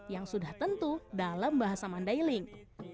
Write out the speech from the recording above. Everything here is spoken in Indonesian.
yang sudah tentu dalam bahasa mandailing